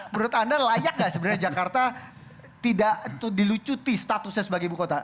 menurut anda layak nggak sebenarnya jakarta tidak dilucuti statusnya sebagai ibu kota